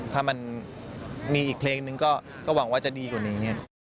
ถ้ามันมีอีกเพลงนึงก็หวังว่าจะดีกว่านี้